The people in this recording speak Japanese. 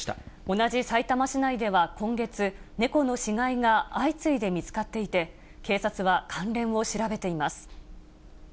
同じさいたま市内では今月、猫の死骸が相次いで見つかっていて、警察は関連を調べています。